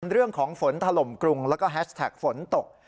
เรื่องของฝนถล่มกรุงแล้วก็แฮชแท็กฝนตก